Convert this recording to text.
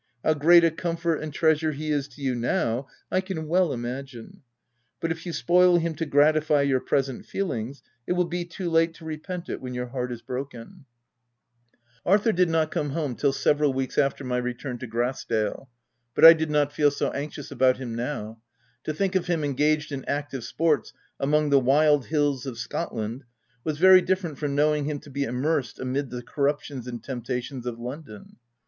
How great a comfort and treasure he is to you now I can well imagine ; but if you spoil him to gratify your present feelings, it will be too late to repent it when your heart is broken/* OF WILDFELL HALL. 207 Arthur did not come home till several weeks after my return to Grass dale ; but I did not feel so anxious about him now : to think of him engaged in active sports among the wild hills of Scotland, was very different from knowing him to be immersed amid the corruptions and temptations of London.